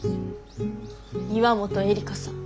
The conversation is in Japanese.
岩本絵里香さん。